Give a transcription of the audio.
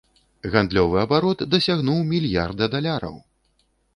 Гандлёвы абарот дасягнуў мільярда даляраў!